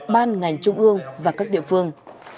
ban ngành trung ương và các địa phương